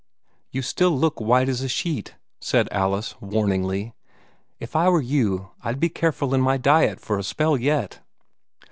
"You still look white as a sheet," said Alice, warningly. "If I were you, I'd be careful in my diet for a spell yet."